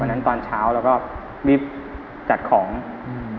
นั้นตอนเช้าเราก็รีบจัดของอืม